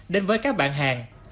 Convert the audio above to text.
đến với các bạn hàng